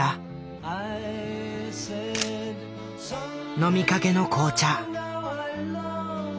飲みかけの紅茶。